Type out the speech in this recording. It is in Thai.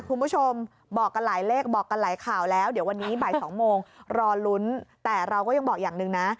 คุณผู้ชมบอกกันหลายเลขบอกกันหลายข่าวแล้วเดี๋ยววันนี้บ่ายสองโมงรอลุ้นแต่เราก็ยังบอกอย่างหนึ่งนะ